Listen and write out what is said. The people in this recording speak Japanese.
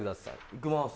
いきます。